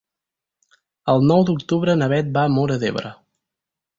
El nou d'octubre na Bet va a Móra d'Ebre.